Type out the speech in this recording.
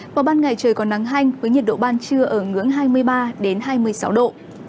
vào ban ngày trời còn nắng hanh với nhiệt độ ban trưa ở ngưỡng hai mươi ba hai mươi sáu độ